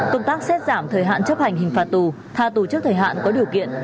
công tác xét giảm thời hạn chấp hành hình phạt tù tha tù trước thời hạn có điều kiện